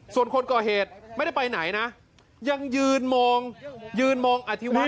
ส่วนคนก่อเหตุไม่ได้ไปไหนนะยังยืนมองยืนมองอธิวะ